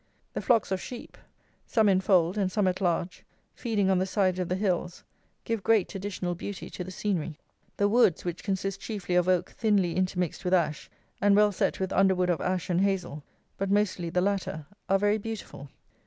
The flocks of sheep, some in fold and some at large, feeding on the sides of the hills, give great additional beauty to the scenery. The woods, which consist chiefly of oak thinly intermixed with ash, and well set with underwood of ash and hazle, but mostly the latter, are very beautiful.